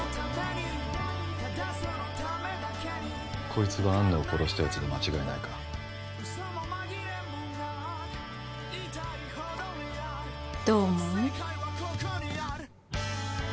こいつが安野を殺したやつで間違いないかどう思う？